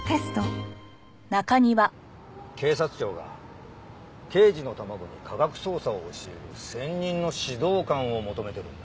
警察庁が刑事の卵に科学捜査を教える専任の指導官を求めているんだ。